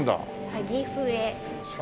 サギフエ。